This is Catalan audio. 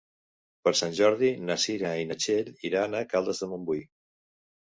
Per Sant Jordi na Cira i na Txell iran a Caldes de Montbui.